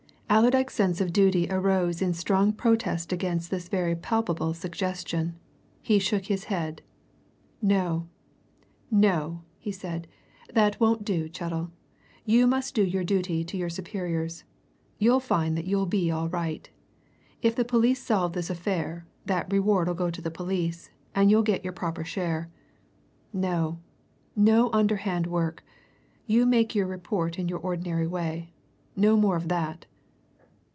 Allerdyke's sense of duty arose in strong protest against this very palpable suggestion. He shook his head. "No no!" he said. "That won't do, Chettle. You must do your duty to your superiors. You'll find that you'll be all right. If the police solve this affair, that reward'll go to the police, and you'll get your proper share. No no underhand work. You make your report in your ordinary way. No more of that!"